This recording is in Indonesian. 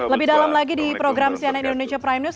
lebih dalam lagi di program cnn indonesia prime news